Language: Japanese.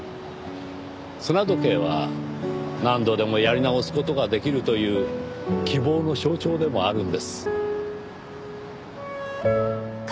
砂時計は何度でもやり直す事ができるという希望の象徴でもあるんです。